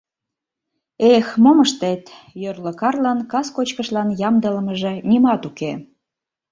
Эх, мом ыштет, йорло Карлон кас кочкышлан ямдылымыже нимат уке.